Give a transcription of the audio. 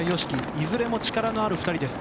いずれも力のある２人です。